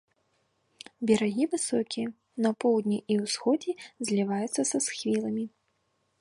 Берагі высокія, на поўдні і ўсходзе зліваюцца са схіламі.